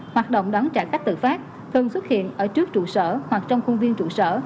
hoạt động đón trả khách tự phát thường xuất hiện ở trước trụ sở hoặc trong khuôn viên trụ sở